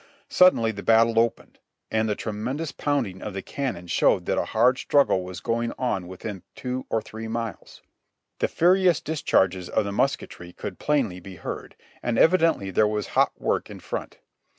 Suddenly the battle opened, and the tremendous pounding of the cannon showed that a hard struggle was going on within two or three miles ; the furious discharges of the musketry could plainly be heard, and evidently there was hot work in front.